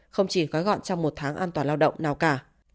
không chỉ gói gọn trong một tháng an toàn lao động nào cả